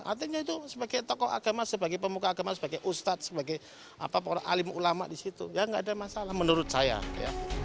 artinya itu sebagai tokoh agama sebagai pemuka agama sebagai ustadz sebagai alim ulama di situ ya nggak ada masalah menurut saya ya